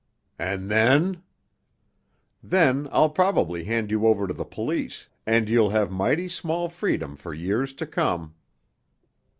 "And then?" "Then I'll probably hand you over to the police, and you'll have mighty small freedom for years to come."